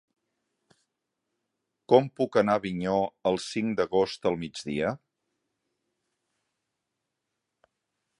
Com puc anar a Avinyó el cinc d'agost al migdia?